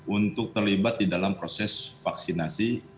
untuk terlibat di dalam proses vaksinasi